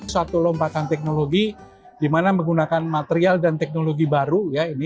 satu lompatan teknologi di mana menggunakan material dan teknologi baru